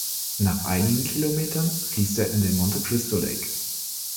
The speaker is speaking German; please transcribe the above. Nach einigen Kilometern fließt er in den Monte Cristo Lake.